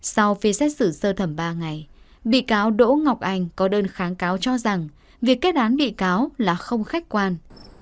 sau phiên xét xử sơ thẩm ba ngày bị cáo đỗ ngọc anh có đơn kháng cáo cho rằng việc kết án bị cáo là không khách quan